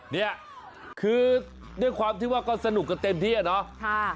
เนี่ยคือด้วยความที่ว่าก็สนุกกันเต็มที่อ่ะเนาะ